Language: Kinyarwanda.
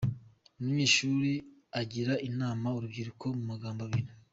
Munyeshuri agira anama urubyiruko mu magambo abiri.